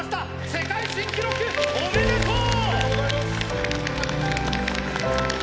世界新記録おめでとう！